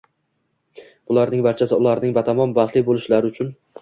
bularning barchasi ularning batamom baxtli bo‘lishlari uchun.